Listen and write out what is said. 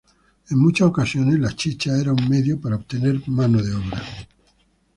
En muchas ocasiones la chicha era un medio para obtener mano de obra.